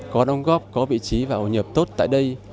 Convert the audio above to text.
có đóng góp có vị trí và ẩu nhập tốt tại đây